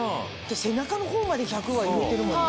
背中の方まで１００は揺れてるもんね。